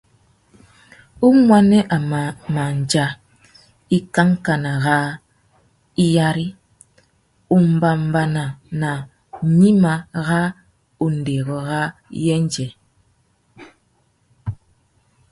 Umuênê a mà mándjá ikankana râ iyara umbámbànà nà gnïmá râ undêrô râ yêndzê.